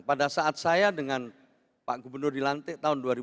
pada saat saya dengan pak gubernur di lantik tahun dua ribu sembilan